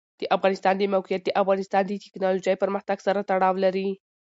د افغانستان د موقعیت د افغانستان د تکنالوژۍ پرمختګ سره تړاو لري.